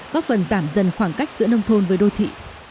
giảm dần khoảng cách giữa nông thôn với đô thị